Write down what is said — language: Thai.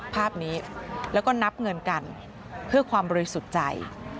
ภาพนี้แล้วก็นับเงินกันเพื่อความบริสุทธิ์ใจ